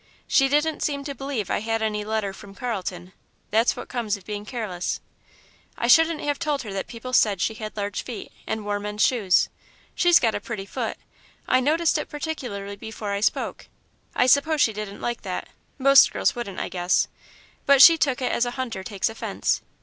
She didn't seem to believe I had any letter from Carlton that's what comes of being careless. "I shouldn't have told her that people said she had large feet and wore men's shoes. She's got a pretty foot; I noticed it particularly before I spoke I suppose she didn't like that most girls wouldn't, I guess, but she took it as a hunter takes a fence.